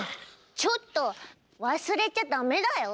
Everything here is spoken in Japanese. ちょっと忘れちゃダメだよ。